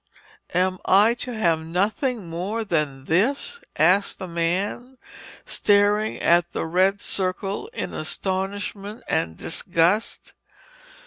'Am I to have nothing more than this?' asked the man, staring at the red circle in astonishment and disgust.